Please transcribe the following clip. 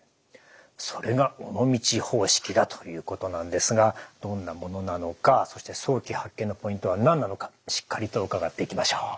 それが尾道方式だということなんですがどんなものなのかそして早期発見のポイントは何なのかしっかりと伺っていきましょう。